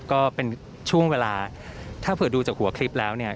ก็เป็นช่วงเวลาถ้าเผื่อดูจากหัวคลิปแล้วเนี่ย